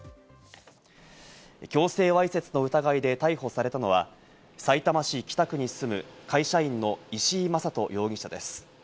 強制わいせつの疑いで逮捕されたのは、さいたま市北区に住む、会社員の石井聖人容疑者です。